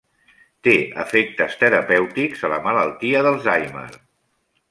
Té efectes terapèutics a la malaltia d'Alzheimer.